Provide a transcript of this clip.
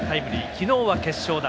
昨日は決勝打。